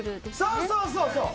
そうそうそうそう。